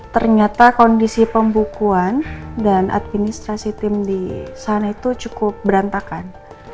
ternyata kondisi pembukuan dan administrasi tim di sana itu cukup berantakan